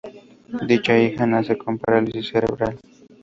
Dicha hija nace con parálisis cerebral.